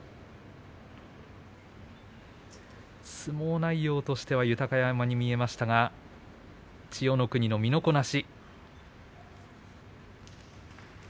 相撲内容としては豊山に見えましたが千代の国の身のこなし。